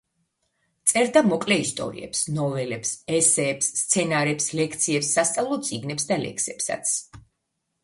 წერდა მოკლე ისტორიებს, ნოველებს, ესეებს, სცენარებს, ლექციებს, სასწავლო წიგნებს და ლექსებსაც.